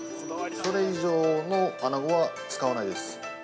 それ以上のあなごは使わないです。